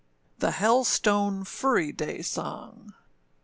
THE HELSTONE FURRY DAY SONG.